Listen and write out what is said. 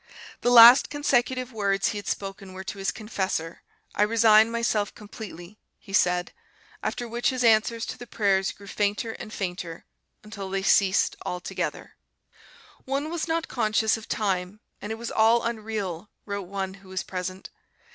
The last consecutive words he had spoken were to his confessor; "I resign myself completely," he said, after which his answers to the prayers grew fainter and fainter until they ceased altogether. "One was not conscious of time and it was all unreal," wrote one who was present.